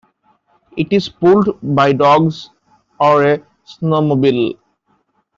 It is pulled by dogs or a snowmobile.